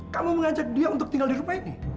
kamu mengajak dia untuk tinggal di rumah ini